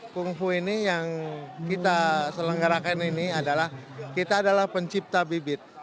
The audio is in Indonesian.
kungfu ini yang kita selenggarakan ini adalah kita adalah pencipta bibit